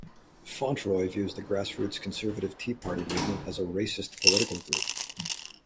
Fauntroy views the grassroots conservative Tea Party movement as a racist political group.